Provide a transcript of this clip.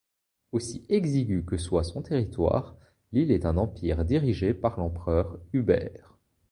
Aussi exigu que soit son territoire, l’île est un empire dirigé par l’empereur Hubert.